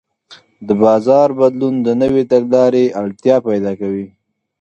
د بازار بدلون د نوې تګلارې اړتیا پیدا کوي.